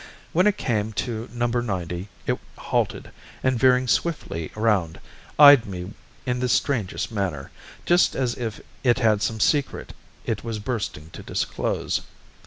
When it came to No. 90 it halted, and veering swiftly round, eyed me in the strangest manner, just as if it had some secret it was bursting to disclose.